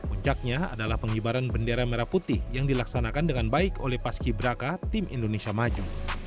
ucaknya adalah pengibaran bendera merah putih yang dilaksanakan dengan baik oleh paski braka tim indonesia maju